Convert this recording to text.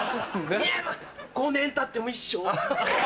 ５年たっても一緒。